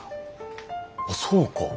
あそうか！